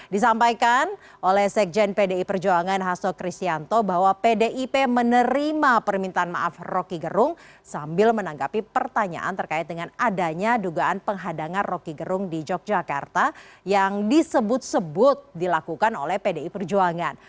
disampaikan oleh sekjen pdi perjuangan hasto kristianto bahwa pdip menerima permintaan maaf rokigerung sambil menanggapi pertanyaan terkait dengan adanya dugaan penghadangan roky gerung di yogyakarta yang disebut sebut dilakukan oleh pdi perjuangan